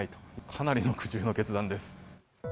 かなりの苦渋の決断です。